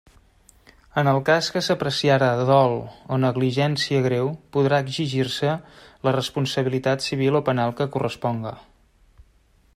En el cas que s'apreciara dol o negligència greu podrà exigir-se la responsabilitat civil o penal que corresponga.